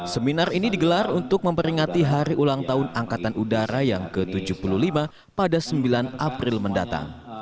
seminar ini digelar untuk memperingati hari ulang tahun angkatan udara yang ke tujuh puluh lima pada sembilan april mendatang